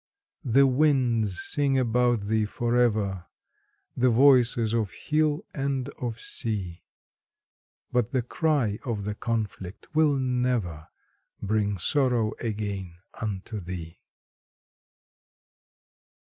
The winds sing about thee for ever, The voices of hill and of sea; But the cry of the conflict will never Bring sorrow again unto thee.